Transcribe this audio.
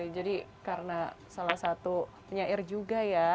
jadi karena salah satu penyair juga ya